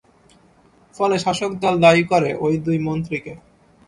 ফলে শাসক দল দায়ী করে ওই দুই মন্ত্রীকে।